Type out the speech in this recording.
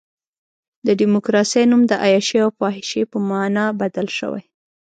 د ډیموکراسۍ نوم د عیاشۍ او فحاشۍ په معنی بدل شوی.